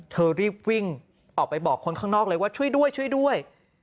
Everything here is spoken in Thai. เธอรีบวิ่งออกไปบอกคนข้างนอกเลยว่าช่วยด้วยช่วยด้วย